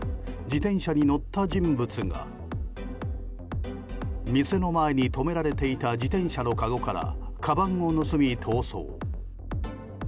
自転車に乗った人物が店の前に止められていた自転車のかごからかばんを盗み逃走。